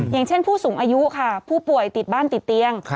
อย่างเช่นผู้สูงอายุค่ะผู้ป่วยติดบ้านติดเตียง